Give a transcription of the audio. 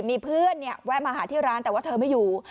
มีเพื่อนแวะมาหาที่ร้านแต่ว่าเธอไม่อยู่